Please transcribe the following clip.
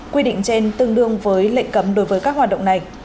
quy định trên tương đương với lệnh cấm đối với các hoạt động này